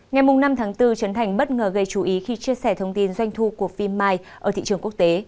ngày năm tháng bốn chấn thành bất ngờ gây chú ý khi chia sẻ thông tin doanh thu của phim my ở thị trường quốc tế